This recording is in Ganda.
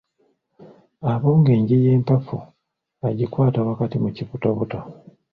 Abonga enje ey'empafu, agikwata wakati mu kibutobuto.